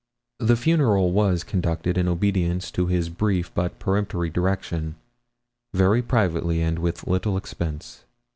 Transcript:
The funeral was conducted, in obedience to his brief but peremptory direction, very privately and with little expense.